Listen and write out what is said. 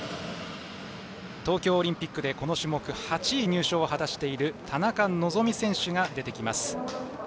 東京オリンピックでこの種目８位入賞を果たしている田中希実選手が出てきます。